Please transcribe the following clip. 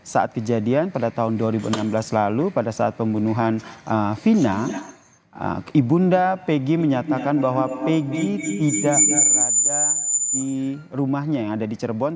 saat kejadian pada tahun dua ribu enam belas lalu pada saat pembunuhan vina ibunda pegi menyatakan bahwa pg tidak berada di rumahnya yang ada di cirebon